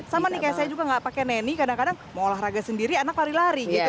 sama nih kayak saya juga nggak pakai neni kadang kadang mau olahraga sendiri anak lari lari gitu